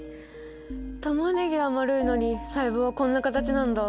タマネギは丸いのに細胞はこんな形なんだ。